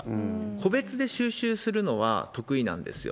個別で収集するのは得意なんですよ。